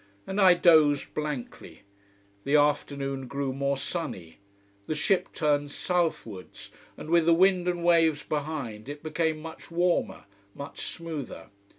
And I dozed blankly. The afternoon grew more sunny. The ship turned southwards, and with the wind and waves behind, it became much warmer, much smoother.